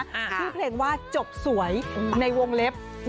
ที่เพลงว่าจบสวยในวงเลฟ